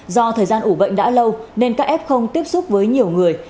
do thời gian ủ bệnh đã lâu nên các f không tiếp xúc với nhiều người